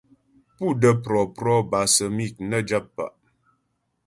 Pú də́ prɔ̌prɔ bâ səmi' nə́ jap pa'.